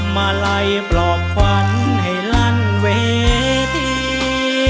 มาไล่ปลอบขวัญให้ลั่นเวที